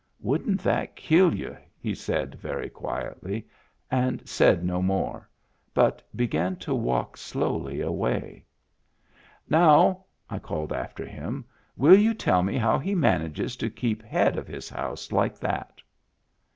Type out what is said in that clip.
Wouldn't that kill you ?" he said very quietly ; and said no more, but began to walk slowly away. " Now," I called after him, " will you tell me how he manages to keep head of his house like that?"